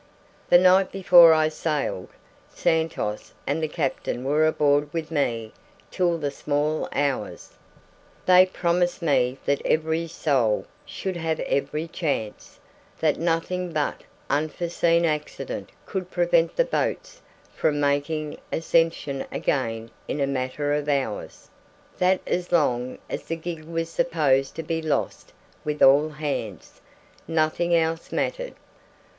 The night before I sailed, Santos and the captain were aboard with me till the small hours. They promised me that every soul should have every chance; that nothing but unforeseen accident could prevent the boats from making Ascension again in a matter of hours; that as long as the gig was supposed to be lost with all hands, nothing else mattered.